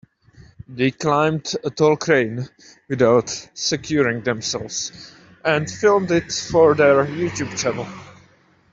They climbed a tall crane without securing themselves and filmed it for their YouTube channel.